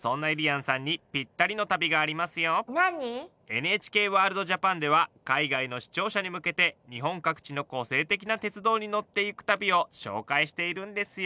「ＮＨＫワールドＪＡＰＡＮ」では海外の視聴者に向けて日本各地の個性的な鉄道に乗って行く旅を紹介しているんですよ。